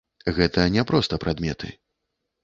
Гэта не проста прадметы.